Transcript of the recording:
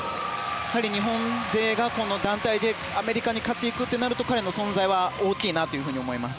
日本勢が団体でアメリカに勝っていくとなると彼の存在は大きいなと思います。